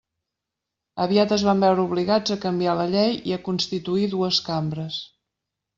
Aviat es van veure obligats a canviar la llei i a constituir dues cambres.